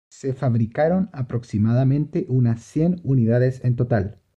Se fabricaron aproximadamente unas cien unidades en total.